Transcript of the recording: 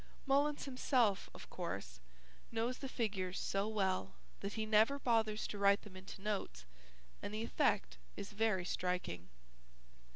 Mullins himself, of course, knows the figures so well that he never bothers to write them into notes and the effect is very striking.